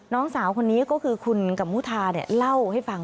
น้องสาวคนนี้ก็คือคุณกัมมุทาเนี่ยเล่าให้ฟัง